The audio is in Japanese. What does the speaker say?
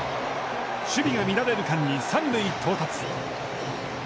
守備が乱れる間に、三塁到達。